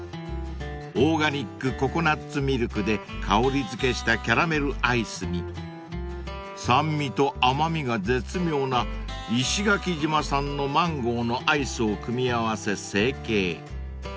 ［オーガニックココナツミルクで香りづけしたキャラメルアイスに酸味と甘味が絶妙な石垣島産のマンゴーのアイスを組み合わせ成形］